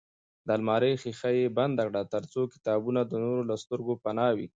د المارۍ ښیښه یې بنده کړه ترڅو کتابونه د نورو له سترګو پناه وي.